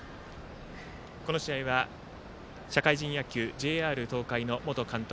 この試合は、社会人野球ＪＲ東海の元監督